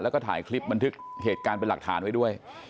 แล้วก็ถ่ายคลิปบันทึกเหตุการณ์เป็นหลักฐานไว้ด้วย